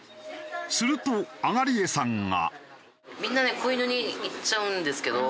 すると東江さんが。